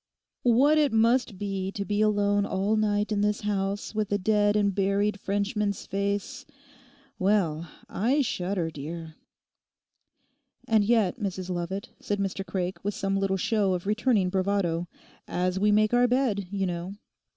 What it must be to be alone all night in this house with a dead and buried Frenchman's face—well, I shudder, dear!' 'And yet, Mrs Lovat,' said Mr Craik, with some little show of returning bravado, 'as we make our bed, you know.